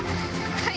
はい。